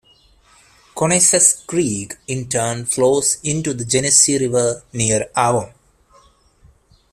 Conesus Creek in turn flows into the Genesee River near Avon.